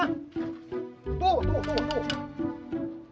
tuh tuh tuh tuh